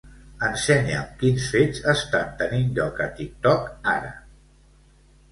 Ensenya'm quins fets estan tenint lloc a TikTok ara.